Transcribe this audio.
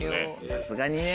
さすがにね。